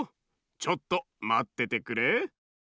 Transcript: ちょっとまっててくれ。